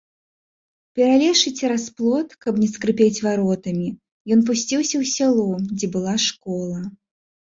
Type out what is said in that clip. Пералезшы цераз плот, каб не скрыпець варотамі, ён пусціўся ў сяло, дзе была школа.